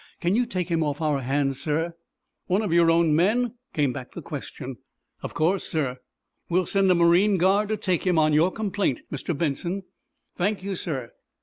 Can you take him off our hands, sir?" "One of your own men?" came back the question. "Of course, sir." "We'll send a marine guard to take him, on your complaint, Mr. Benson." "Thank you, sir."